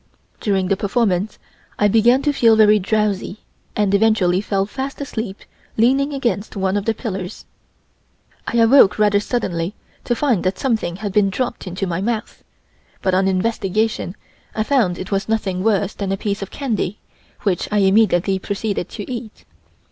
During the performance I began to feel very drowsy, and eventually fell fast asleep leaning against one of the pillars. I awoke rather suddenly to find that something had been dropped into my mouth, but on investigation I found it was nothing worse than a piece of candy, which I immediately proceeded to eat.